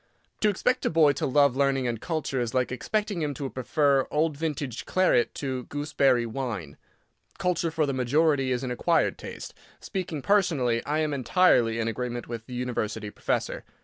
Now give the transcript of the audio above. To expect a boy to love learning and culture is like expecting him to prefer old vintage claret to gooseberry wine. Culture for the majority is an acquired taste. Speaking personally, I am entirely in agreement with the University professor.